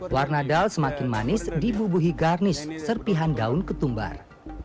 warna dal semakin manis dibubuhi garnish serpihan daun ketumbar